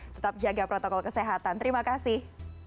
tetap jaga protokol kesehatan terima kasih